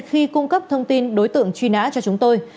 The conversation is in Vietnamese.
khi cung cấp thông tin đối tượng truy nã cho chúng tôi